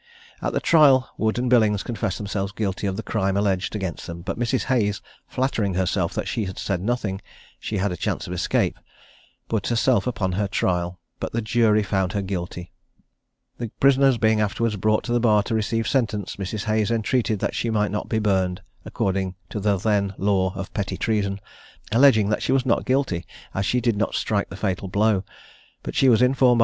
At the trial Wood and Billings confessed themselves guilty of the crime alleged against them; but Mrs. Hayes, flattering herself that as she had said nothing, she had a chance of escape, put herself upon her trial; but the jury found her guilty. The prisoners being afterwards brought to the bar to receive sentence, Mrs. Hayes entreated that she might not be burned, according to the then law of petty treason, alleging that she was not guilty, as she did not strike the fatal blow; but she was informed by the court that the sentence awarded by the law could not be dispensed with.